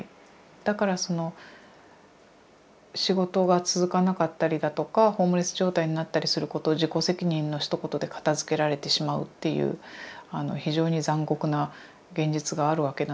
だからその仕事が続かなかったりだとかホームレス状態になったりすることを自己責任のひと言で片づけられてしまうっていうあの非常に残酷な現実があるわけなんですけれども。